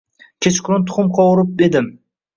Kechqurun tuxum qovurib edim